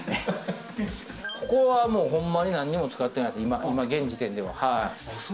ここは、ほんまに何も使ってないです、現時点では。